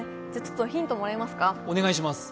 ヒントもらいますか？